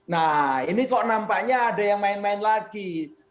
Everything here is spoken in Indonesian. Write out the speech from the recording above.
nah ini kok nampaknya ada yang main main lagi